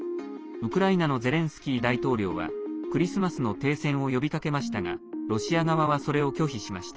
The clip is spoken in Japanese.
ウクライナのゼレンスキー大統領はクリスマスの停戦を呼びかけましたがロシア側は、それを拒否しました。